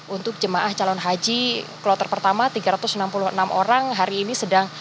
untuk jemaah calon haji kloter pertama tiga ratus enam puluh enam orang hari ini sedang